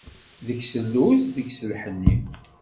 Deg-s lluz, deg-s lḥenni.